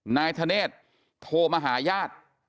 นายธเนธโทรมาหาญาติ